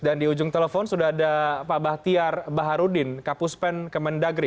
dan di ujung telepon sudah ada pak bahtiar baharuddin kapuspen kemendagri